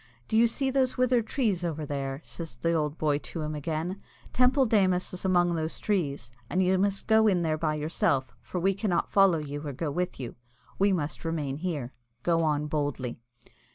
"Do you see those withered trees over there?" says the old boy to him again. "Teampoll Démus is among those trees, and you must go in there by yourself, for we cannot follow you or go with you. We must remain here. Go on boldly."